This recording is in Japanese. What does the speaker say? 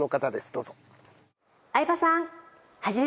どうぞ。